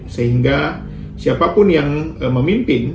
sehingga siapapun yang memimpin